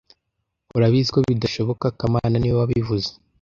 Urabizi ko bidashoboka kamana niwe wabivuze